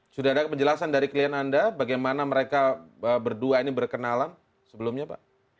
sudah ada penjelasan dari klien anda bagaimana mereka berdua ini berkenalan sebelumnya pak